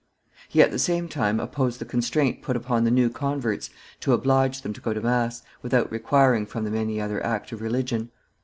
He at the same time opposed the constraint put upon the new converts to oblige them to go to mass, without requiring from them any other act of religion.